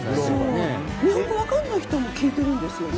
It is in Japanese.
日本語わからない人も聴いてるんですよね。